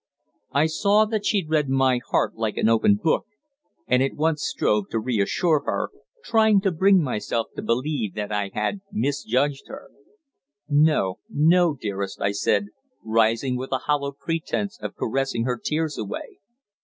I saw that she read my heart like an open book, and at once strove to reassure her, trying to bring myself to believe that I had misjudged her. "No, no, dearest," I said, rising with a hollow pretence of caressing her tears away.